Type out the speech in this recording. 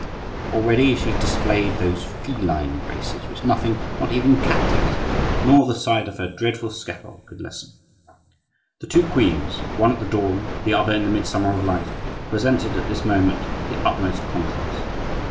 Already she displayed those feline graces which nothing, not even captivity nor the sight of her dreadful scaffold, could lessen. The two queens—one at the dawn, the other in the midsummer of life—presented at this moment the utmost contrast.